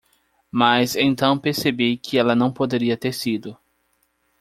Mas então percebi que ela não poderia ter sido.